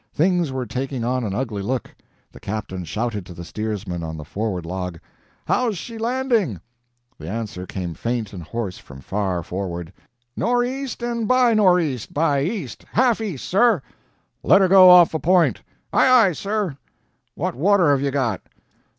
Things were taking on an ugly look. The captain shouted to the steersman on the forward log: "How's she landing?" The answer came faint and hoarse from far forward: "Nor' east and by nor' east by east, half east, sir." "Let her go off a point!" "Aye aye, sir!" "What water have you got?"